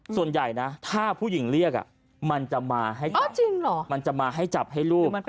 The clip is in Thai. ส่วนใหญ่นะถ้าผู้หญิงเรียกมันจะมาให้จับให้รูป